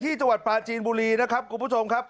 จังหวัดปลาจีนบุรีนะครับคุณผู้ชมครับ